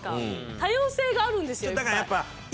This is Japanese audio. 多様性があるんですよいっぱい。